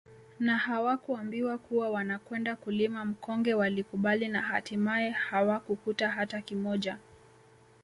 Na hawakuambiwa kuwa wanakwenda kulima mkonge walikubali na hatimaye hawakukuta hata kimoja